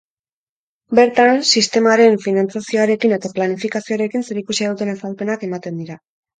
Bertan, sistemaren finantzazioarekin eta planifikazioarekin zerikusia duten azalpenak ematen dira.